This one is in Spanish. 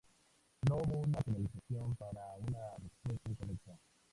No hubo una penalización para una respuesta incorrecta.